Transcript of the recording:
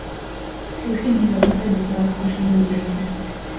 শশীর নীরবতায় গোপাল খুশি হইয়াছে।